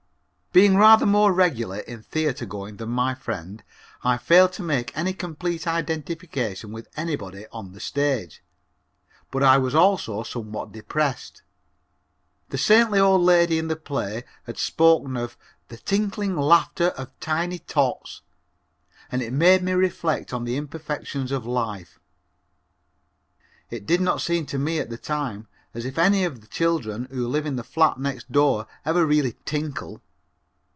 Being rather more regular in theatergoing than my friend, I failed to make any complete identification with anybody on the stage, but I was also somewhat depressed. The saintly old lady in the play had spoken of "the tinkling laughter of tiny tots" and it made me reflect on the imperfections of life. It did not seem to me at the time as if any of the children who live in the flat next door ever really tinkle.